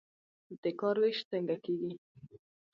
د کار ویش څنګه کیږي؟